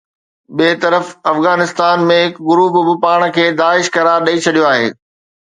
ٻئي طرف افغانستان ۾ هڪ گروپ به پاڻ کي داعش قرار ڏئي ڇڏيو آهي